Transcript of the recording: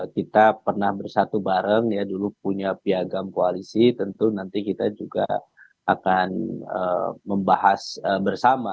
kita pernah bersatu bareng ya dulu punya piagam koalisi tentu nanti kita juga akan membahas bersama